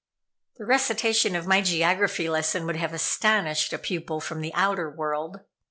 The recitation of my geography lesson would have astonished a pupil from the outer world.